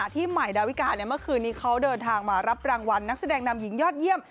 ที่ใหม่ดาวิกาเมื่อคืนนี้เขาเดินทางมารับรางวัลนักแสดงนำหญิงยอดเยี่ยม